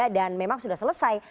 dan memang sudah selesai